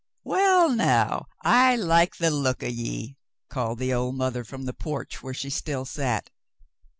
"Well, now, I like the look of ye," called the old mother from the porch, where she still sat.